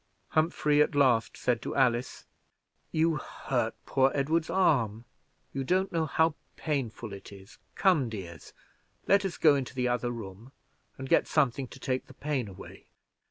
Humphrey at last said to Alice, "You hurt poor Edward's arm you don't know how painful it is! Come, dears, let us go into the other room, and get something to take the pain away."